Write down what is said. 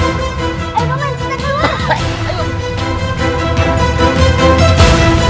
aku sudah tidak buat lagi